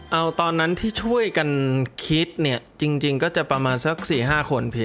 เอาตอนนั้นที่ช่วยกันคิดเนี่ยจริงก็จะประมาณสัก๔๕คนพี่